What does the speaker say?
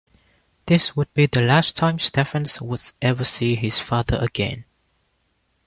This would be the last time Stephens would ever see his father again.